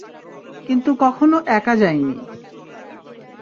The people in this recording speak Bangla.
কিন্তু কখনো একা যাইনি।